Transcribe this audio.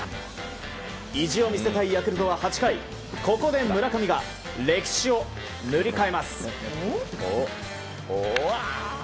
意地を見せたいヤクルトは８回ここで村上が歴史を塗り替えます。